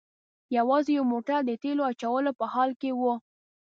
یوازې یو موټر د تیلو اچولو په حال کې و.